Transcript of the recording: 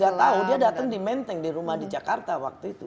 dia tahu dia datang di menteng di rumah di jakarta waktu itu